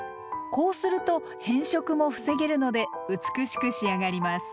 こうすると変色も防げるので美しく仕上がります。